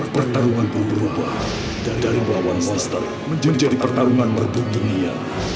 pertarunganmu berubah dan dari melawan monster menjadi pertarungan berbunuh dunia